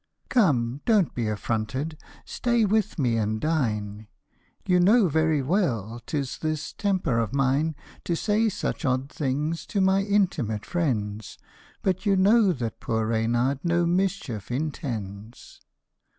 " Come, don't be affronted stay with me and dine ; You know very well 'tis this temper of mine To say such odd things to my intimate friends ; But you know that poor Reynard no mischief intends."